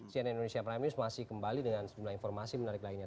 cnn indonesia prime news masih kembali dengan sejumlah informasi menarik lainnya